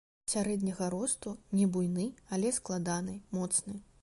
Сярэдняга росту, не буйны, але складаны, моцны.